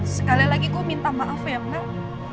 sekali lagi gue minta maaf ya mbak